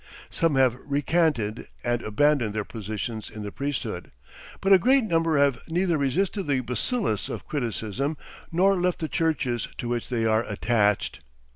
Some have recanted and abandoned their positions in the priesthood. But a great number have neither resisted the bacillus of criticism nor left the churches to which they are attached.